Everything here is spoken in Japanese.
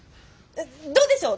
どうでしょう？